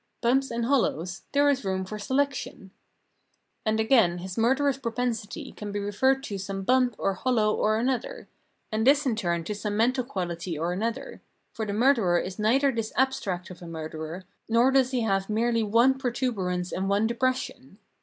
Bumps and hollows, there is room for selection ! And again his murderous propensity can be referred to some bump or hollow or another, and this in turn to some mental quahty or another ; for the murderer is neither this abstract of a murderer, nor does he have merely one protuberance and one depression.